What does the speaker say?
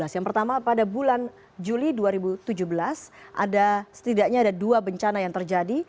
yang pertama pada bulan juli dua ribu tujuh belas ada setidaknya ada dua bencana yang terjadi